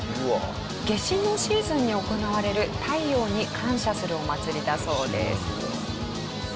夏至のシーズンに行われる太陽に感謝するお祭りだそうです。